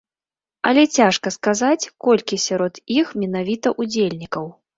Але цяжка сказаць, колькі сярод іх менавіта ўдзельнікаў.